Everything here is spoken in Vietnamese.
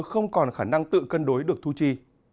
không còn khả năng tự cân đối được thu chi